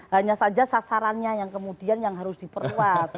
hanya saja sasarannya yang kemudian yang harus diperluas